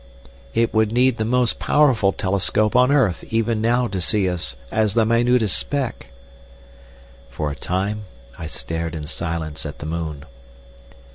"It would need the most powerful telescope on earth even now to see us as the minutest speck." For a time I stared in silence at the moon.